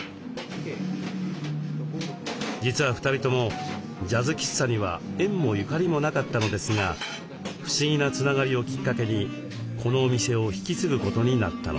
実は２人ともジャズ喫茶には縁もゆかりもなかったのですが不思議なつながりをきっかけにこのお店を引き継ぐことになったのです。